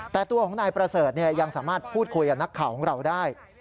แต่ตัวของนายประเสริฐยังสามารถพูดคุยกับนักข่าวของเราได้